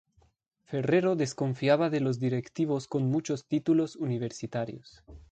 Ferrero desconfiaba de los directivos con muchos títulos universitarios.